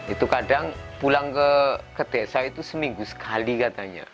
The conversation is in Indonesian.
itu kadang pulang ke desa itu seminggu sekali katanya